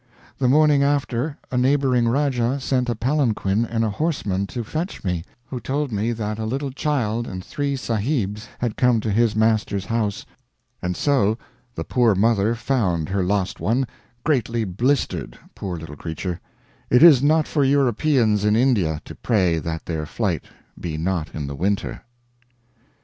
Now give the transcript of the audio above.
The morning after a neighboring Rajah sent a palanquin and a horseman to fetch me, who told me that a little child and three Sahibs had come to his master's house. And so the poor mother found her lost one, 'greatly blistered,' poor little creature. It is not for Europeans in India to pray that their flight be not in the winter."